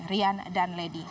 rian dan lady